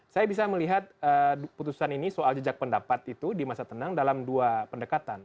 saya bisa melihat putusan ini soal jejak pendapat itu di masa tenang dalam dua pendekatan